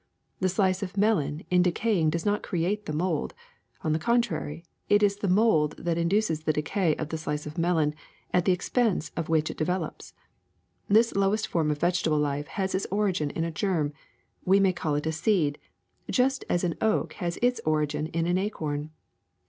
The slice of melon in decaying does not create the mold; on the contrary, it is the mold that induces the decay of the slice of melon, at the expense of which it develops. This lowest form of vegetable life has its origin in a germ, we may call it a seed, just as an oak has its origin in an acorn.